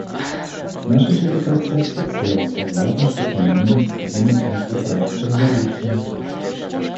Наша делегация всецело согласна с основными целями этого проекта резолюции.